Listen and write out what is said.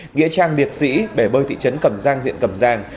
nghĩa trang biệt sĩ bể bơi thị trấn cầm giang huyện cầm giang